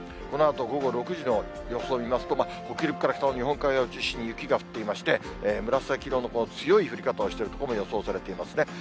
このあと午後６時の予想を見ますと、北陸から北の日本海側を中心に雪が降っていまして、紫色のこの強い降り方をしている所も予想されていますね。